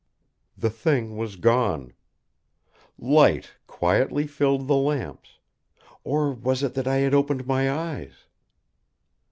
The Thing was gone. Light quietly filled the lamps or was it that I had opened my eyes?